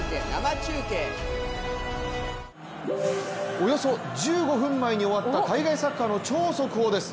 およそ１５分前に終わった海外サッカーの超速報です。